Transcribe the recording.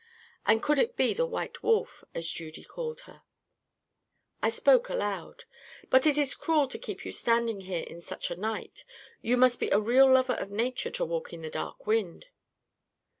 And could it be the White Wolf, as Judy called her? I spoke aloud: "But it is cruel to keep you standing here in such a night. You must be a real lover of nature to walk in the dark wind."